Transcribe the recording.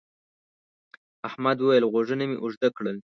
احمد وويل: غوږونه مې اوږده کړل.